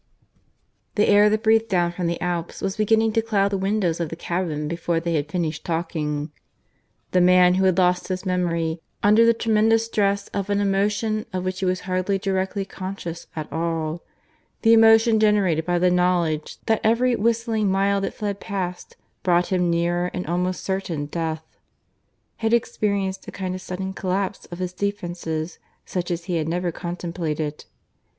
(IV) The air that breathed down from the Alps was beginning to cloud the windows of the cabin before they had finished talking. The man who had lost his memory, under the tremendous stress of an emotion of which he was hardly directly conscious at all the emotion generated by the knowledge that every whistling mile that fled past brought him nearer an almost certain death had experienced a kind of sudden collapse of his defences such as he had never contemplated.